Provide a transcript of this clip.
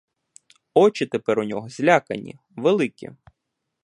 Очі тепер у нього злякані, великі.